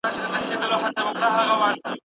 څه په څټک وهلی